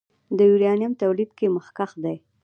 د یورانیم تولید کې مخکښ دی.